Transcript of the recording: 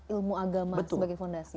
ilmu agama sebagai fondasi